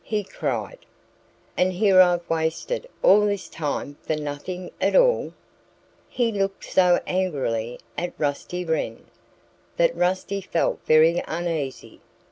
he cried. "And here I've wasted all this time for nothing at all!" He looked so angrily at Rusty Wren that Rusty felt very uneasy.